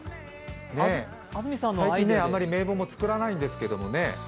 最近、あまり名簿も作らないんですけれどもね。